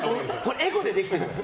エコでできてるから。